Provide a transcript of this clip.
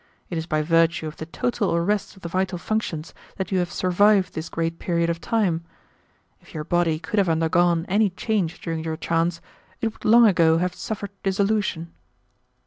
It is by virtue of the total arrest of the vital functions that you have survived this great period of time. If your body could have undergone any change during your trance, it would long ago have suffered dissolution."